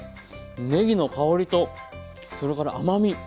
ねぎの香りとそれから甘み。